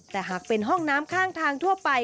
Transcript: แต่หากเป็นห้องน้ำข้างทางทั่วไป